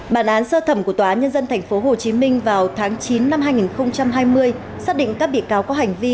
bản án sơ thẩm của tòa nhân dân tp hcm vào tháng chín năm hai nghìn hai mươi xác định các bị cáo có hành vi